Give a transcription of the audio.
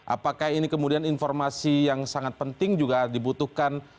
apakah ini kemudian informasi yang sangat penting juga dibutuhkan